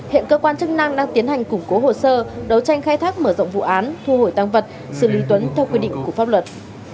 hiện cơ quan chức năng đang tiến hành củng cố hồ sơ đấu tranh khai thác mở rộng vụ án thu hồi tăng vật xử lý tuấn theo quy định của pháp luật